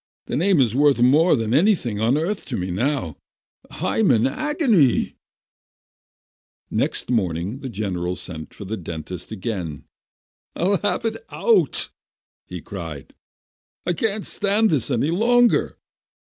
That name is worth more than anything on earth to me now ! I'm in agony !" Next morning the general sent for the dentist again. "I'll have it out!" he cried. "I can't stand this any longer!"